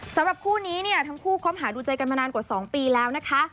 สำหรับคู่นี้เนี่ยทั้งคู่คบหาดูใจกันมานานกว่า๒ปีแล้วนะคะ